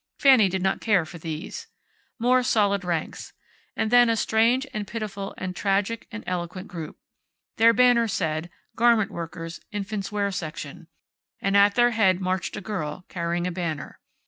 Fanny did not care for these. More solid ranks. And then a strange and pitiful and tragic and eloquent group. Their banner said, "Garment Workers. Infants' Wear Section." And at their head marched a girl, carrying a banner.